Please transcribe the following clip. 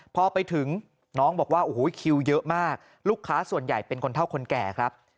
พอไปถึงน้องบอกว่าโอ้โหคิวเยอะมากลูกค้าส่วนใหญ่เป็นคนเท่าคนแก่ครับ